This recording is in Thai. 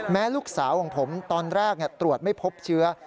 ลูกสาวของผมตอนแรกตรวจไม่พบเชื้อ